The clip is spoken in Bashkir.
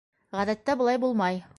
Ғәҙәттә былай булмай.